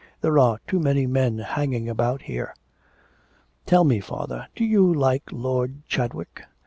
There are too many men hanging about here?' 'Tell me, father, do you like Lord Chadwick?'